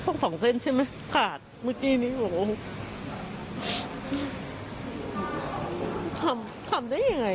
ทำยังไงเอาจิตใจมนุษย์ลูกสาวเป็นคนตัวเล็กนะทำใจไม่ได้